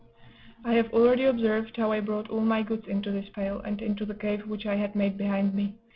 I have already observed how I brought all my goods into this pale, and into the cave which I had made behind me.